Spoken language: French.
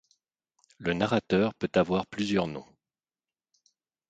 Le narrateur peut avoir plusieurs noms.